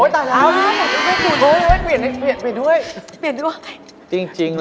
โอ๊ยตายละนี้ปล่อยไปเปลี่ยนด้วย